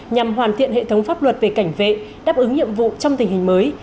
nhằm hoàn thiện hệ thống pháp luật về cảnh vệ đáp ứng nhiệm vụ trong tình hình mới